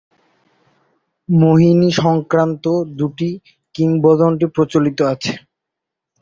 মোহিনী-সংক্রান্ত দুটি কিংবদন্তি প্রচলিত আছে।